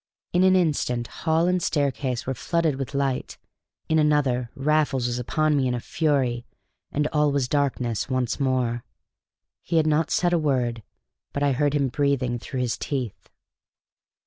In an instant hall and staircase were flooded with light; in another Raffles was upon me in a fury, and, all was dark once more. He had not said a word, but I heard him breathing through his teeth.